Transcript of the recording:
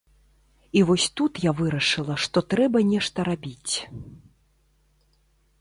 І вось тут я вырашыла, што трэба нешта рабіць.